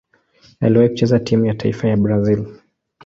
Aliwahi kucheza timu ya taifa ya Brazil.